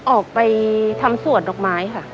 ออกไปทำสวดดอกไม้ค่ะ